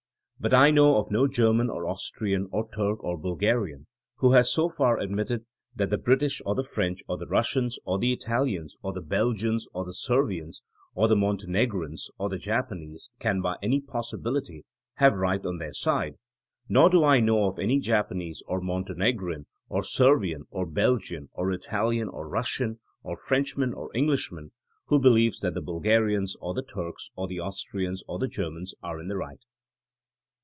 But I know of no German or Austrian or Turk or Bulgarian who has so far admitted that the British or the French or the Eussians or the Italians or the Belgians or the Servians or the Montenegrins or the Japanese can by any possibility have right on their side, nor do I know of any Japanese or Montenegrin or Servian or Belgian or Italian or Russian or Frenchman or Englishman who believes that the Bulgarians or the Turks or the Austrians or the Germans are in the right.